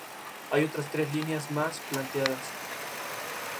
Hay otras tres líneas más, planeadas.